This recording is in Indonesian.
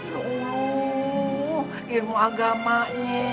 luluh ilmu agamanya